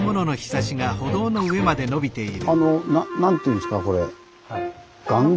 あの何て言うんですかこれ雁木？